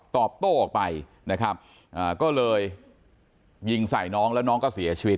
ตอบโต้ออกไปนะครับก็เลยยิงใส่น้องแล้วน้องก็เสียชีวิต